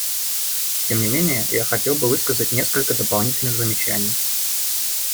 Тем не менее я хотел бы высказать несколько дополнительных замечаний.